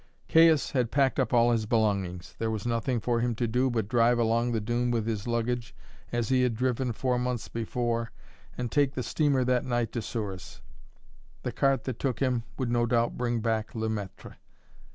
Caius had packed up all his belongings. There was nothing for him to do but drive along the dune with his luggage, as he had driven four months before, and take the steamer that night to Souris. The cart that took him would no doubt bring back Le Maître.